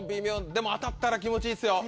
でも当たったら気持ちいいですよ。